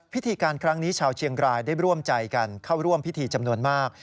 พิธีการครั้งนี้ชาวเชียงรายได้ร่วมใจกันเข้าร่วมพิธีจำนวนมาก